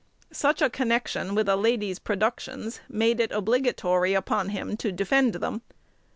Such a connection with a lady's productions made it obligatory upon him to defend them.